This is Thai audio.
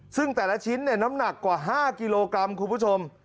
ซึ่งแต่ละชิ้นน้ำหนักกว่า๕กิโลกรัมคุณผู้ชม